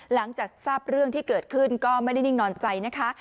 หลังจากทราบเรื่องที่เกิดขึ้นก็ไม่ได้นิ่งนอนใจนะคะ